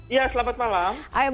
iya selamat malam